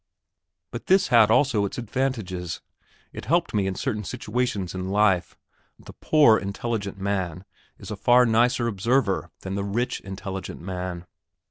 But this had also its advantages. It helped me in certain situations in life. The poor intelligent man is a far nicer observer than the rich intelligent man.